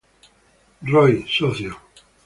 Roy, Soc.